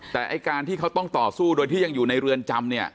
แต่ไอ้การที่เขาต้องต่อสู้โดยที่ยังอยู่ในเรือนจำเนี่ย